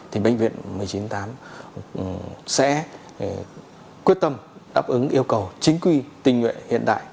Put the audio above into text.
thì bệnh viện một nghìn chín trăm linh tám sẽ quyết tâm đáp ứng yêu cầu chính quy tình nguyện hiện đại